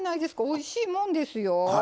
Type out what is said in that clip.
おいしいもんですよ。